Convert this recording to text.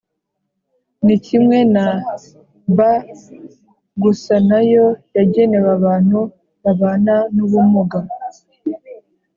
ni kimwe na B gusa nayo yagenewe abantu babana n’ubumuga